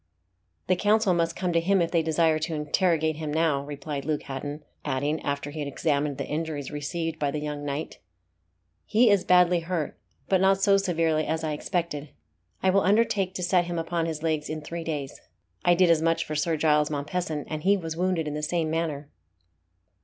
"The Council must come to him if they desire to interrogate him now," replied Luke Hatton; adding, after he had examined the injuries received by the young knight, "He is badly hurt, but not so severely as I expected. I will undertake to set him upon his legs in three days. I did as much for Sir Giles Mompesson, and he was wounded in the same manner."